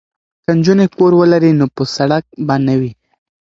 که نجونې کور ولري نو په سړک به نه وي.